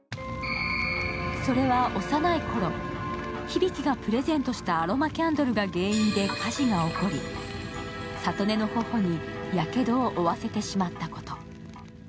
それは幼いころ、響がプレゼントしたアロマキャンドルが原因で火事が起こり、郷音の頬にやけどを負わせてしまったこと。